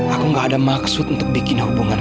aku gak ada maksud untuk bikin hubungan